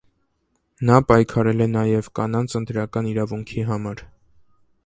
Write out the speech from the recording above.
Նա պայքարել է նաև կանանց ընտրական իրավունքի համար։